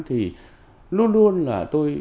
thì luôn luôn là tôi